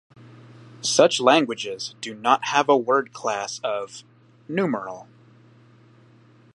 Such languages do not have a word class of 'numeral'.